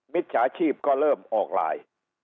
มิจฉาชีพก็เริ่มออกไลน์